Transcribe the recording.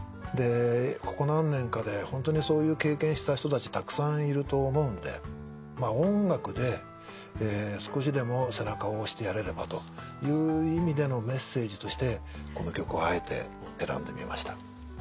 でここ何年かでホントにそういう経験した人たちたくさんいると思うんで音楽で少しでも背中を押してやれればという意味でのメッセージとしてこの曲をあえて選んでみました。